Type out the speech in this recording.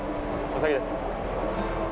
お先です。